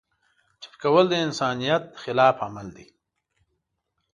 ټپي کول د انسانیت خلاف عمل دی.